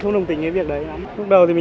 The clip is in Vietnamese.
cô em đang nhấp thầy vậy mà